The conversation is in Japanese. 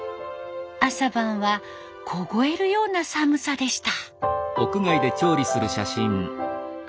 朝晩は凍えるような寒さでした。